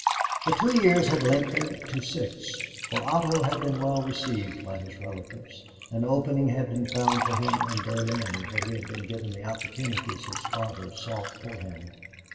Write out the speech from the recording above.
The two years had lengthened to six, for Otto had been well received by his relatives. An opening had been found for him in Berlin where he had been given the opportunities his father sought for him.